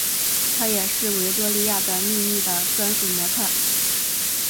她也是维多利亚的秘密的专属模特儿。